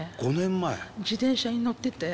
自転車に乗ってて。